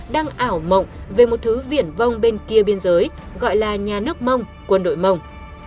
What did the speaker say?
đang ảo mộng về một thứ viển vong bên kia biên giới gọi là nhà nước mông quân đội mông